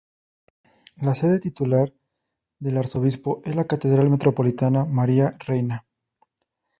La sede titular del arzobispo es la Catedral Metropolitana María Reina.